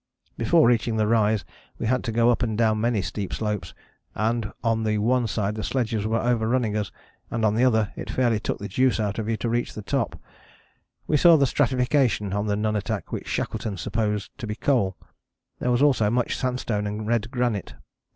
"Before reaching the rise we had to go up and down many steep slopes, and on the one side the sledges were overrunning us, and on the other it fairly took the juice out of you to reach the top. We saw the stratification on the nunatak which Shackleton supposed to be coal: there was also much sandstone and red granite.